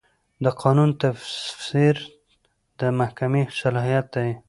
د قانون تفسیر د محکمې صلاحیت دی.